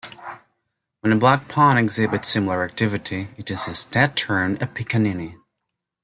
When a Black pawn exhibits similar activity it is instead termed a Pickaninny.